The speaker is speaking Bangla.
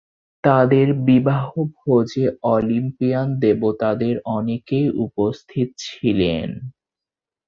তাদের বিবাহভোজে অলিম্পিয়ান দেবতাদের অনেকেই উপস্থিত ছিলেন।